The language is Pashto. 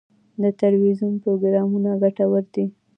د تلویزیون پروګرامونه ګټور دي.